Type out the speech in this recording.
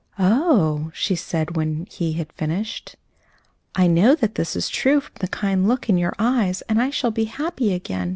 "Oh!" she said, when he had finished, "I know that this is true from the kind look in your eyes, and I shall be happy again.